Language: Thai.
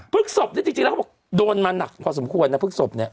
ศพนี่จริงแล้วเขาบอกโดนมาหนักพอสมควรนะพึกศพเนี่ย